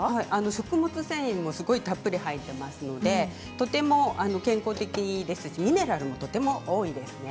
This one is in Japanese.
食物繊維もたっぷり入っていますので、とても健康的ですしミネラルもとても多いですね。